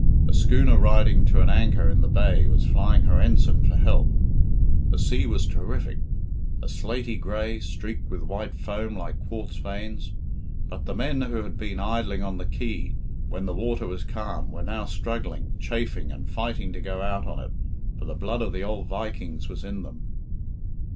A schooner riding to an anchor in the bay was flying her ensign for help. The sea was terrific a slaty grey, streaked with white foam like quartz veins; but the men who had been idling on the quay when the water was calm were now struggling, chafing, and fighting to go out on it, for the blood of the old Vikings was in them.